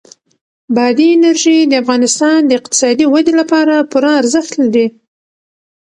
بادي انرژي د افغانستان د اقتصادي ودې لپاره پوره ارزښت لري.